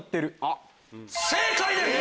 正解です！